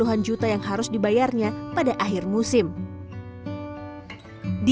akan sahur yang ross b strobat degxebcuart cut